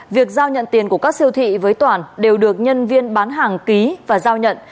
việc giao nhận tiền của các siêu thị với toàn đều được nhân viên bán hàng ký và giao nhận